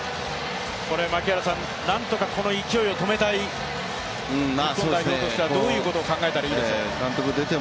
何とかこの勢いを止めたい、日本代表としてはどういうことを考えたらいいですか？